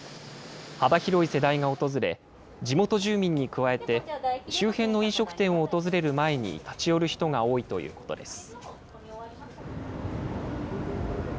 幅広い世代が訪れ、地元住民に加えて、周辺の飲食店を訪れる前に、立ち寄る人が多いということです。